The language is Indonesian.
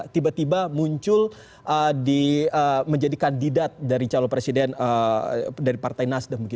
tiba tiba muncul menjadi kandidat dari calon presiden dari partai nasdem